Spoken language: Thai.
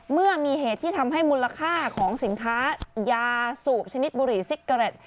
เมื่อมีเหตุที่ทำให้มูลค่าของสินค้ายาสูชนิดบุหรี่ซิกเกร็ด